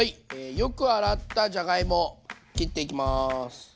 よく洗ったじゃがいも切っていきます。